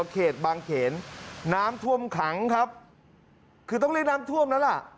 เขตบางเขนน้ำท่วมขังครับคือต้องเรียกน้ำท่วมแล้วล่ะ